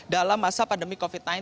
dalam masa pandemi covid sembilan belas